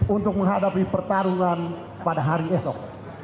untuk menghadapi pertarungan pada hari esok